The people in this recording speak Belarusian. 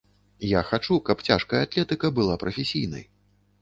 Я хачу, каб цяжкая атлетыка была прафесійнай.